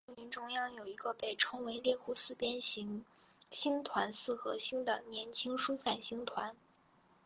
猎户座大星云中央有一个被称为猎户四边形星团四合星的年轻疏散星团。